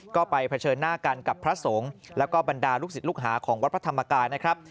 ก็ไปเผชิญหน้ากันกับพระสงฆ์แล้วก็บรรดาลูกศิษย์ลูกหาของวัดพระธรรมกายนะครับ